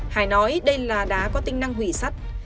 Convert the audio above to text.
hải nói đây là đá có tính năng hủy sắt